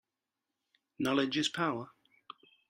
Knowledge is power.